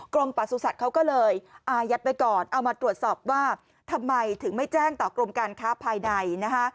ประสุทธิ์เขาก็เลยอายัดไว้ก่อนเอามาตรวจสอบว่าทำไมถึงไม่แจ้งต่อกรมการค้าภายในนะคะ